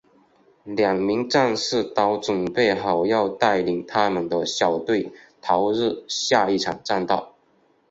两名战士都准备好要带领他们的小队投入下一场战斗。